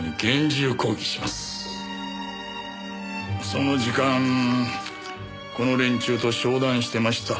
その時間この連中と商談してました。